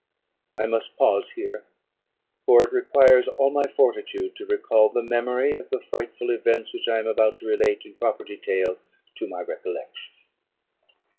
I must pause here; for it requires all my fortitude to recall the memory of the frightful events which I am about to relate, in proper detail, to my recollection.